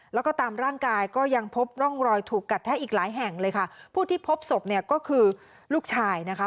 แล้วก็ตามร่างกายก็ยังพบร่องรอยถูกกัดแทะอีกหลายแห่งเลยค่ะผู้ที่พบศพเนี่ยก็คือลูกชายนะคะ